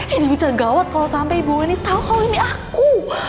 ini bisa gawat kalo sampe ibu weni tau kalo ini aku